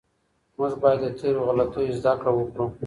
موږ باید له تېرو غلطیو زده کړه وکړو.